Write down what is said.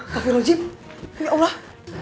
kak filojin ya allah